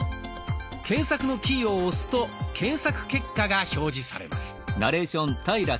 検索のキーを押すと検索結果が表示されます。